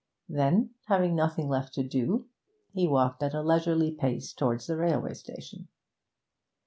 Then, having nothing left to do, he walked at a leisurely pace towards the railway station.